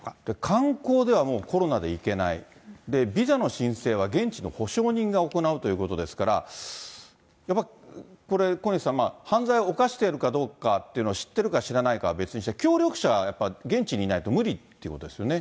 観光ではもう、コロナで行けない、で、ビザの申請は現地の保証人が行うということですから、やっぱりこれ、小西さん、犯罪を犯しているかどうかっていうのを知ってるか知らないかは別にして、協力者はやっぱり現地にいないと無理ってことですよね。